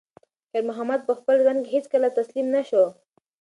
خیر محمد په خپل ژوند کې هیڅکله تسلیم نه شو.